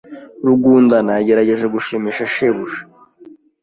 Rugundana yagerageje gushimisha shebuja.